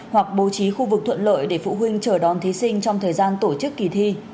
hoặc bố trí khu vực thuận lợi để phụ huynh chờ đón thí sinh trong thời gian tổ chức kỳ thi